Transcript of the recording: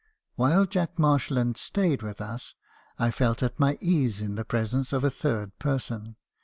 While Jack Marshland stayed with us , I felt at my ease in the presence of a third person.